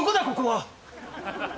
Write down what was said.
ここは。